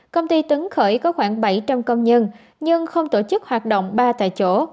công ty tuấn khởi có khoảng bảy trăm linh công nhân nhưng không tổ chức hoạt động ba tại chỗ